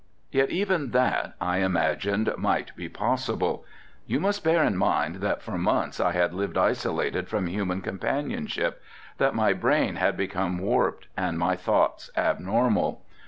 Yet even that I imagined might be possible. You must bear in mind that for months I had lived isolated from human companionship, that my brain had became warped and my thoughts abnormal.